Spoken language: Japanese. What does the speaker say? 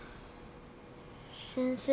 先生。